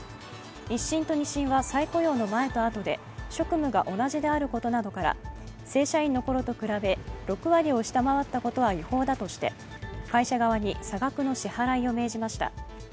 １審と２審は再雇用の前と後で職務が同じであることなどから正社員のころと比べ６割を下回ったことは違法だとして会社側に差額の支払いを命じました。